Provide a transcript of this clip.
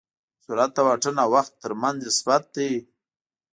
سرعت د واټن او وخت تر منځ نسبت دی.